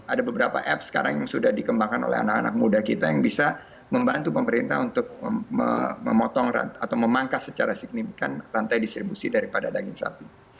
ada beberapa apps sekarang yang sudah dikembangkan oleh anak anak muda kita yang bisa membantu pemerintah untuk memotong atau memangkas secara signifikan rantai distribusi daripada daging sapi